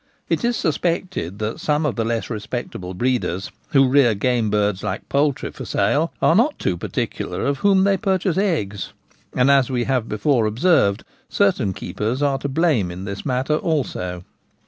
It is suspected that some of the less respectable breeders who rear game birds like poultry for sale, are not too particular of whom they purchase eggs ; and, as we have before observed, certain keepers are to blame in this matter also.